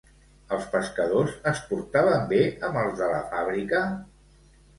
Els pescadors es portaven bé amb els de la fàbrica?